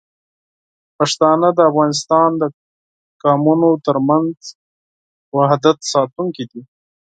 پښتانه د افغانستان د قومونو ترمنځ وحدت ساتونکي دي.